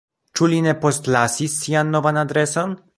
Ĉu li ne postlasis sian novan adreson?